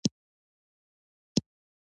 په تېر کې سرحداتو ته سپکاوی کېده.